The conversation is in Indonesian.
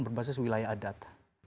berbasis wilayah adat